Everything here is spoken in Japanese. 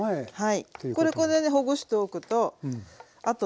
はい。